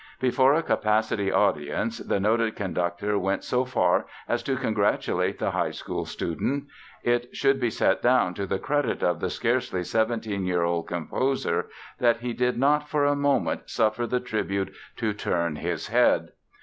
Before a capacity audience the noted conductor went so far as to congratulate the high school student. It should be set down to the credit of the scarcely seventeen year old composer that he did not for a moment suffer the tribute to turn his head.